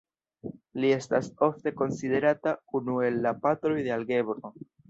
Li estas ofte konsiderata unu el la patroj de algebro.